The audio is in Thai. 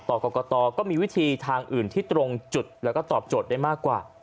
กรกตก็มีวิธีทางอื่นที่ตรงจุดแล้วก็ตอบโจทย์ได้มากกว่า